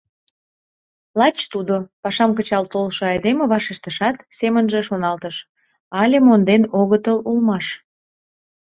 — Лач тудо! — пашам кычал толшо айдеме вашештышат, семынже шоналтыш: «Але монден огытыл улмаш».